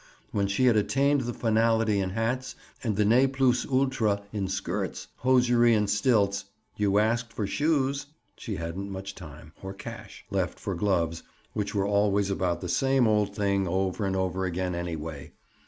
When she had attained the finality in hats and the ne plus ultra in skirts, hosiery and stilts (you asked for "shoes") she hadn't much time, or cash, left for gloves which were always about the same old thing over and over again, anyway.